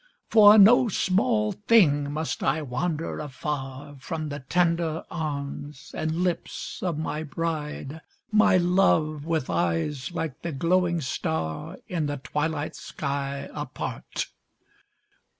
For no small thing must I wander afar From the tender arms and lips of my bride — My love with eyes like the glowing star In the twilight sky apart.